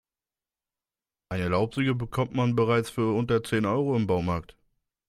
Eine Laubsäge bekommt man bereits für unter zehn Euro im Baumarkt.